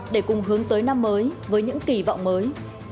để cùng hướng tới năm mới với những kỳ vọng mới